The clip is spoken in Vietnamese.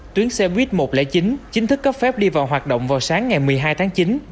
tuyến xe buýt một trăm linh chín chính thức cấp phép đi vào hoạt động vào sáng ngày một mươi hai tháng chín